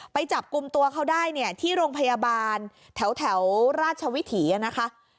ไปจับกลุ่มตัวเขาได้เนี่ยที่โรงพยาบาลแถวราชวิถีนะคะ